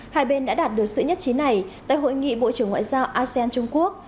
hai bên đã đạt được sự nhất trí này tại hội nghị bộ trưởng ngoại giao asean trung quốc